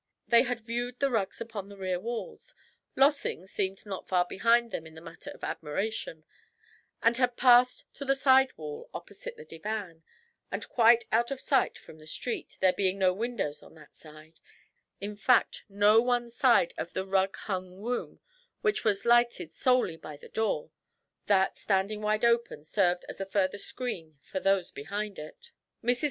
They had viewed the rugs upon the rear walls, Lossing seeming not far behind them in the matter of admiration, and had passed to the side wall opposite the divan, and quite out of sight from the street, there being no windows on that side, in fact on no side of the rug hung room, which was lighted solely by the door, that, standing wide open, served as a further screen for those behind it. Mrs.